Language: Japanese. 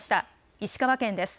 石川県です。